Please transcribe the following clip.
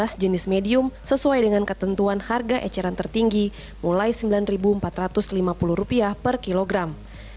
yakni beras medium rp sembilan empat ratus lima puluh dan beras premium rp dua belas delapan ratus per kilogram